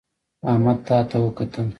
احمد تا ته وکتل